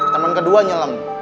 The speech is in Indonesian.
temen kedua nyelem